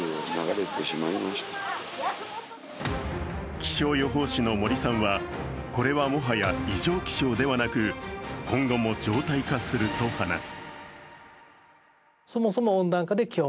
気象予報士の森さんはこれはもはや異常気象ではなく今後も常態化すると話す。